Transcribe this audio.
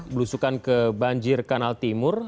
belusukan ke banjir kanal timur